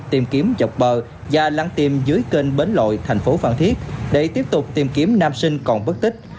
tìm kiếm dọc bờ và lắng tim dưới kênh bến lội thành phố phan thiết để tiếp tục tìm kiếm nam sinh còn bất tích